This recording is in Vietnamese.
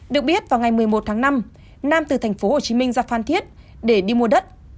được biết vào ngày một mươi một tháng năm nam từ thành phố hồ chí minh ra phan thiết để đi mua đất